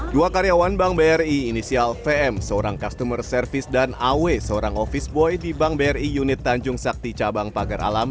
dua karyawan bank bri inisial vm seorang customer service dan aw seorang office boy di bank bri unit tanjung sakti cabang pagar alam